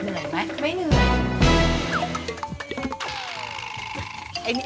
เหนื่อยไหมไม่เหนื่อย